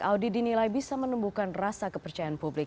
audit dinilai bisa menemukan rasa kepercayaan publik